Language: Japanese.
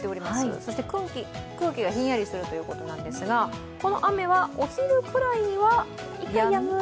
そして空気がひんやりするということなんですが、この雨はお昼くらいにはやみそう？